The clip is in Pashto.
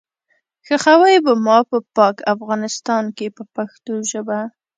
ښخوئ به ما په پاک افغانستان کې په پښتو ژبه.